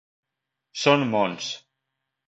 Són mons.